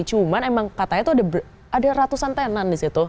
cuman emang katanya tuh ada ratusan tenan di situ